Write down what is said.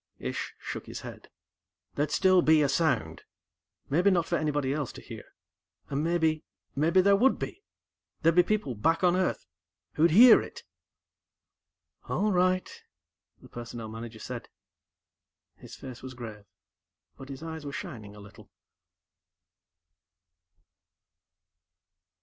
Ish shook his head. "There'd still be a sound. Maybe not for anybody else to hear and, maybe, maybe there would be. There'd be people, back on Earth, who'd hear it." "All right," the Personnel Manager said. His face was grave, but his eyes were shining a little.